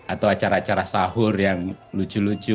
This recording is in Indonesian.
atau acara acara sahur yang lucu lucu